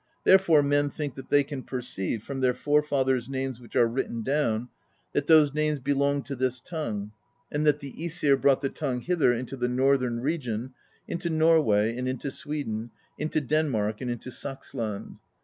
Therefore men think that they can perceive, from their forefathers' names which are written down, that those names belonged to this tongue, and that the ^Esir brought the tongue hither into the northern region, into Norway and into Sweden, into Denmark and into Saxland.